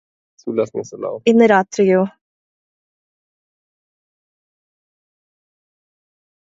ഇന്ന് രാത്രിയോ